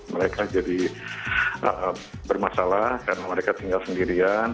mereka jadi bermasalah karena mereka tinggal sendirian